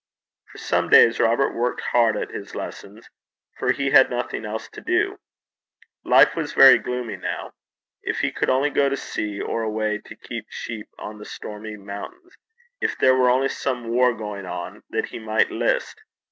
For some days Robert worked hard at his lessons, for he had nothing else to do. Life was very gloomy now. If he could only go to sea, or away to keep sheep on the stormy mountains! If there were only some war going on, that he might list!